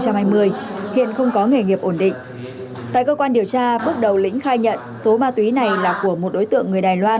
chuyên án đang tiếp tục được điều tra mở rộng